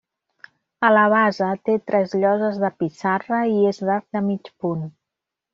A la base té tres lloses de pissarra i és d'arc de mig punt.